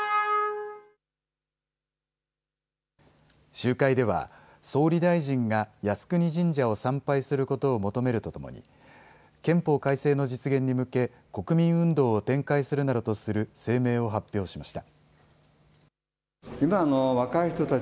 集会では総理大臣が靖国神社を参拝することを求めるとともに憲法改正の実現に向け国民運動を展開するなどとする声明を発表しました。